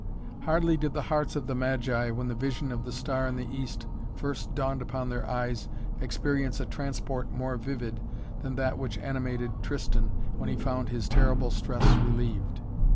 Hardly did the hearts of the Magi when the vision of the Star in the East first dawned upon their eyes experience a transport more vivid than that which animated Tristan when he found his terrible stress relieved.